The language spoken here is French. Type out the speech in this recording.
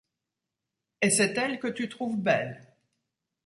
Et c’est elle que tu trouves belle !